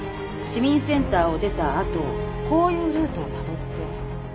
市民センターを出たあとこういうルートをたどって。